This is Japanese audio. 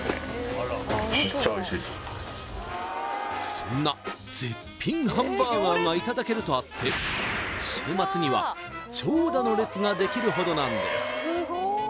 そんな絶品ハンバーガーがいただけるとあってできるほどなんです